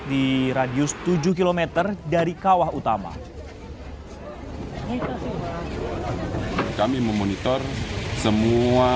di radius tujuh km dari kawah utama